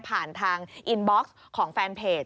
ผ่านทางอินบ็อกซ์ของแฟนเพจ